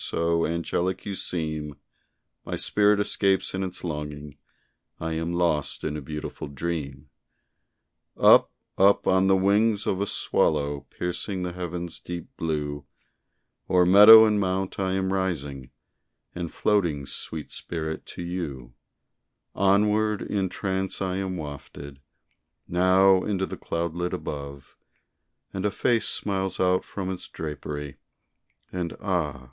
so angelic you seem, My spirit escapes in its longing I am lost in a beautiful dream. Up, up on the wings of a swallow Piercing the heaven's deep blue, O'er meadow and mount I am rising, And floating, sweet spirit, to you; Onward, in trance I am wafted, Now into the cloudlet above; And a face smiles out from its drapery, And ah!